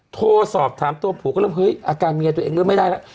โทรสอบถามตัวผัวก็เริ่มเฮ้ยอาการเมียตัวเองเริ่มไม่ได้แล้ว